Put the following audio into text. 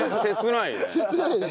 切ないね。